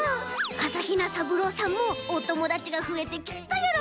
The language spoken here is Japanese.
あさひなさぶろうさんもおともだちがふえてきっとよろこんでるよ。